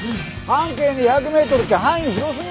「半径２００メートルって範囲広すぎんだろ！」